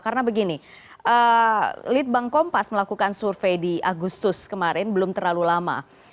karena begini lidbang kompas melakukan survei di agustus kemarin belum terlalu lama